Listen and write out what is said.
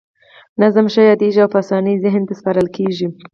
نظم ښه یادیږي او په اسانۍ ذهن ته سپارل کیږي.